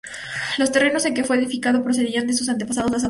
Los terrenos en que fue edificado procedían de sus antepasados los Zapata.